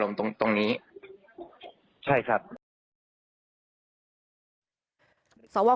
โหวตตามเสียงข้างมาก